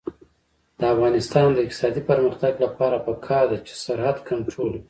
د افغانستان د اقتصادي پرمختګ لپاره پکار ده چې سرحد کنټرول وي.